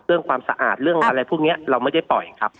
ความสะอาดเรื่องอะไรพวกนี้เราไม่ได้ปล่อยครับ